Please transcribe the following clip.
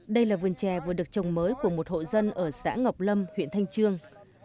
đây là vườn chè vừa được trồng mới của một hộ dân ở xã ngọc lâm huyện thanh trương